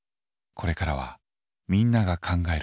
これからはみんなが「考えるカラス」。